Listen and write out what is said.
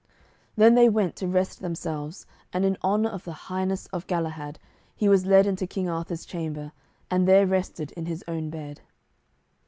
Then they went to rest themselves, and in honour of the highness of Galahad he was led into King Arthur's chamber, and there rested in his own bed.